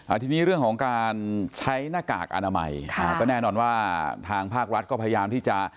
ทีนี้เรื่องของการใช้หน้ากากอนามัยค่ะก็แน่นอนว่าทางภาครัฐก็พยายามที่จะ